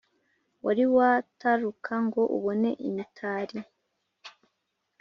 wari wataruka ngo ubone imitali